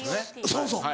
そうそう。